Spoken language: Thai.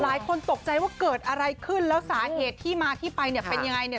หลายคนตกใจว่าเกิดอะไรขึ้นแล้วสาเหตุที่มาที่ไปเนี่ยเป็นยังไงเนี่ย